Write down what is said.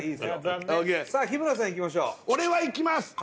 残念さあ日村さんいきましょう俺はいきます